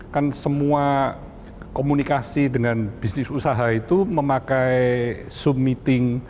kan semua komunikasi dengan bisnis usaha itu memakai zoom meeting